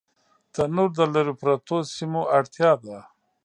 تنور د لرو پرتو سیمو اړتیا ده